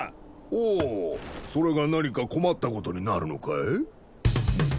ほうそれが何か困ったことになるのかい？